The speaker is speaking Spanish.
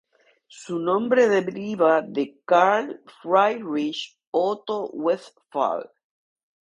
Su nombre deriva de Carl Friedrich Otto Westphal.